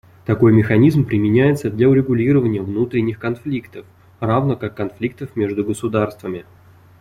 Такой механизм применяется для урегулирования внутренних конфликтов, равно как конфликтов между государствами.